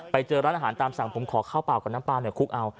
ไปเจอร้านอาหารตามสั่งผมขอข้าวเปล่ากับน้ำปลาเนี่ยคลุกเอา